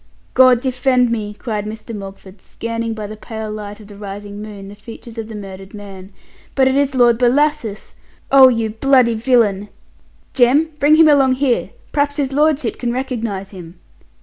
"God defend me!" cried Mr. Mogford, scanning by the pale light of the rising moon the features of the murdered man, "but it is Lord Bellasis! oh, you bloody villain! Jem, bring him along here, p'r'aps his lordship can recognize him!"